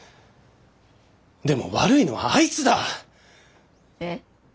でも悪いのはあいつだ。え？